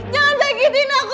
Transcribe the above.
jangan sakiti aku